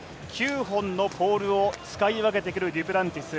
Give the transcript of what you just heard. ９本のポールを使い分けてくるデュプランティス。